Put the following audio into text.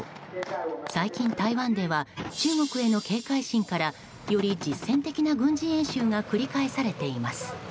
最近、台湾では中国への警戒心からより実戦的な軍事演習が繰り返されています。